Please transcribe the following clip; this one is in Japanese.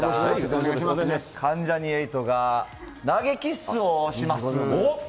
関ジャニ∞が投げキッスをします。